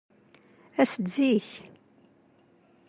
As-d zik.